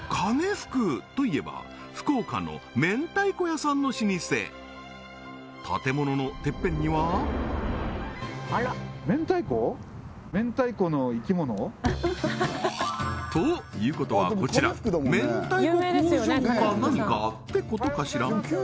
ふくといえば福岡の明太子屋さんの老舗建物のてっぺんにはということはこちら明太子工場か何かってことかしら？